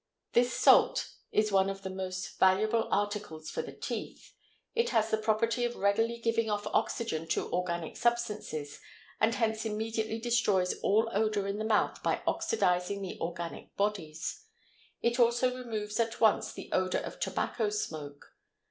This salt is one of the most valuable articles for the teeth; it has the property of readily giving off oxygen to organic substances and hence immediately destroys all odor in the mouth by oxidizing the organic bodies; it also removes at once the odor of tobacco smoke.